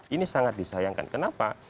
ini sangat disayangkan kenapa